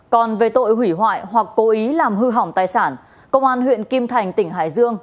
còn về tội hủy hoại hoặc cố ý làm hư hỏng tài sản công an huyện kim thành tỉnh hải dương